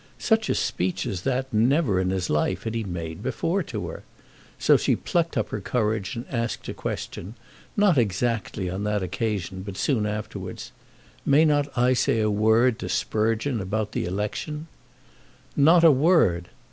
Such a speech as that never in his life had he made before to her! So she plucked up her courage and asked her question, not exactly on that occasion, but soon afterwards; "May not I say a word to Sprugeon about the election?" "Not a word!"